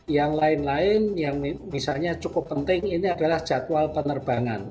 yang lain lain yang misalnya cukup penting ini adalah jadwal penerbangan